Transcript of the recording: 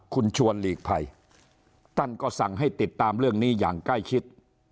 คุณชวนหลีกภัยท่านก็สั่งให้ติดตามเรื่องนี้อย่างใกล้ชิด